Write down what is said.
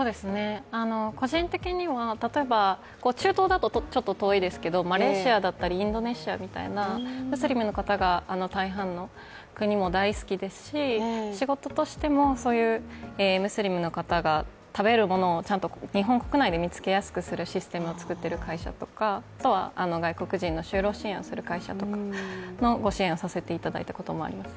個人的には、例えば中東だとちょっと遠いですけれども、マレーシアだったりインドネシアのようなムスリムの方が大半のような国も大好きですし、仕事としてもそういうムスリムの方が食べるものをちゃんと日本国内で見つけやすくするシステムを作っている会社とか外国人の就労支援とかの会社をご支援させていただいたこともあります。